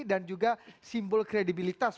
dan juga simbol kredibilitas